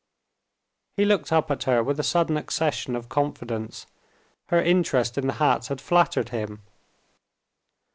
He looked up at her with a sudden accession of confidence; her interest in the hat had flattered him.